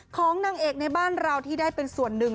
ของนางเอกในบ้านเราที่ได้เป็นส่วนหนึ่ง